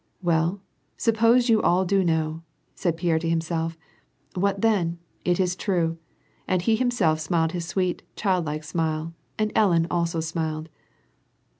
"Well, suppose you all do know !" said Pierre to himself. " What then ? It is true,'' and he himself smiled his sweet, childlike smile, and Ellen also smiled.